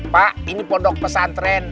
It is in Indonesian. pak ini podok pesantren